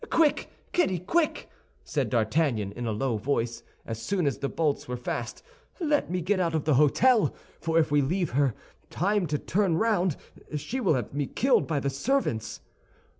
"Quick, Kitty, quick!" said D'Artagnan, in a low voice, as soon as the bolts were fast, "let me get out of the hôtel; for if we leave her time to turn round, she will have me killed by the servants."